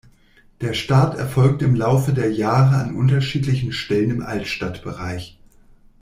Der Start erfolgte im Laufe der Jahre an unterschiedlichen Stellen im Altstadtbereich.